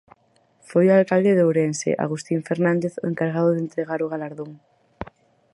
Foi o alcalde de Ourense, Agustín Fernández, o encargado de entregar o galardón.